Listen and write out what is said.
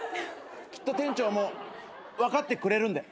きっと店長も分かってくれるんで。